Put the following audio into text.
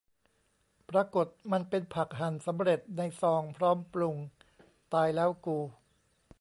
ปรากฏมันเป็นผักหั่นสำเร็จในซองพร้อมปรุง ตายแล้วกู